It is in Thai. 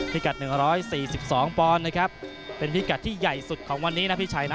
พิกัด๑๔๒ปอนด์นะครับเป็นพิกัดที่ใหญ่สุดของวันนี้นะพี่ชัยนะ